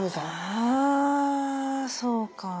あぁそうか。